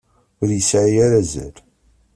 Ur yesɛi ara azal.